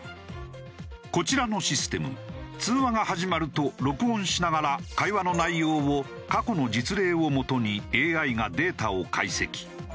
こちらのシステム通話が始まると録音しながら会話の内容を過去の実例をもとにＡＩがデータを解析。